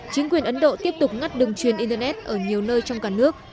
chính quyền ấn độ tiếp tục ngắt đường truyền internet ở nhiều nơi trong cả nước